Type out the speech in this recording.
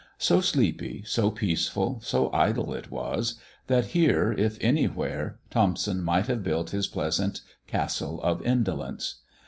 So sleepy, so peaceful, so idle it was, that here, if anywhere, Thomson might have built his pleasant Castle of Indolence.